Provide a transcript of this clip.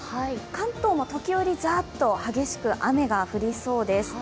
関東も時折、ザーッと激しく雨が降りそうです。